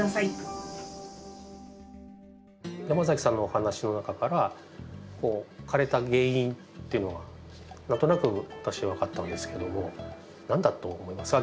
山崎さんのお話の中から枯れた原因っていうのが何となく私は分かったんですけども何だと思いますか？